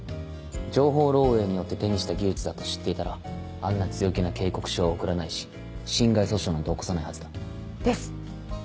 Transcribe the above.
情報漏洩によって手にした技術だと知っていたらあんな強気な警告書は送らないし侵害訴訟なんて起こさないはずだ。です！